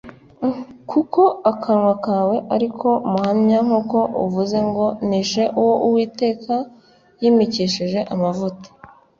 kuko akanwa kawe ari ko muhamya nk’uko uvuze ngo ‘Nishe uwo Uwiteka yimikishije amavuta’ ”